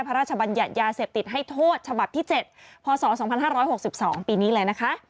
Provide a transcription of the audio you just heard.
บัญญัติยาเสพติดให้โทษฉบับที่๗พศ๒๕๖๒ปีนี้เลยนะคะ